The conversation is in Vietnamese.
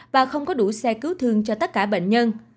và không có đủ xe cứu thương cho tất cả bệnh nhân